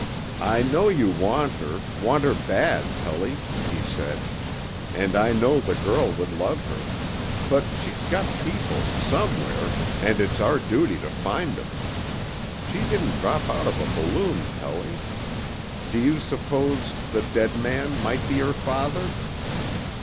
"I know you want her want her bad, Pelly," he said. "And I know the girl would love her. But she's got people somewhere, and it's our duty to find 'em. She didn't drop out of a balloon, Pelly. Do you suppose the dead man might be her father?"